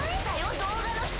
動画の人！